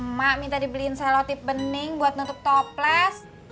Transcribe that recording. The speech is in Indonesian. emak minta dibeliin selotip bening buat nutup toples